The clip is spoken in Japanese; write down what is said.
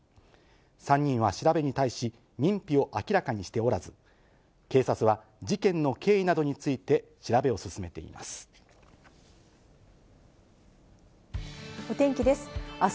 ３人は調べに対し、認否を明らかにしておらず、警察は事件の経緯などについて調べを進めています。